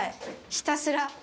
ひたすら。